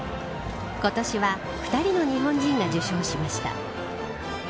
今年は２人の日本人が受賞しました。